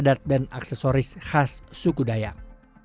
adat dan aksesoris khas suku dayak